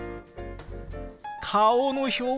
顔の表現！